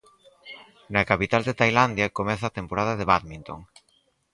Na capital de Tailandia comeza a temporada de bádminton.